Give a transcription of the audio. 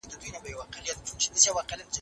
زه به هيڅکله مطالعه پرېنږدم.